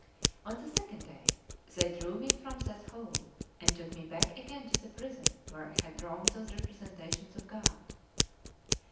On the second day they drew me from that hole, and took me back again to the prison where I had drawn those representations of God.